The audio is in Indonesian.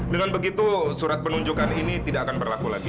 dengan begitu surat penunjukan ini tidak akan berlaku lagi